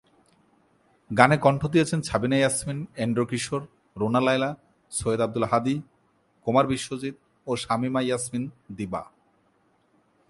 গানে কণ্ঠ দিয়েছেন সাবিনা ইয়াসমিন, এন্ড্রু কিশোর, রুনা লায়লা, সৈয়দ আব্দুল হাদী, কুমার বিশ্বজিৎ ও শামীমা ইয়াসমিন দিবা।